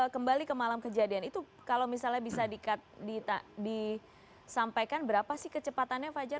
kembali ke malam kejadian itu kalau misalnya bisa disampaikan berapa sih kecepatannya fajar